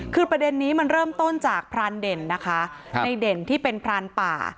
คือประเด็นนี้มันเริ่มต้นจากพรานเด่นนะคะในเด่นที่เป็นพรานป่า